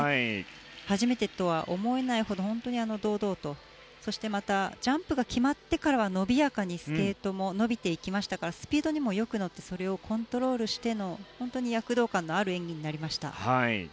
初めてとは思えないほど本当に堂々とそしてジャンプが決まってからも伸びやかにスケートも伸びていきましたからスピードにもよく乗ってそれをコントロールしての本当に躍動感のある演技になりました。